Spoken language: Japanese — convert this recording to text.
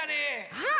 あっ